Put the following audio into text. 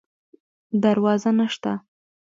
دروازه نشته